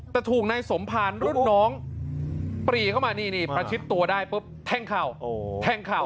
แต่ถูกนายสมภารรุ่นน้องปรีเข้ามานี่ประชิดตัวได้ปุ๊บแทงเข่าแทงเข่า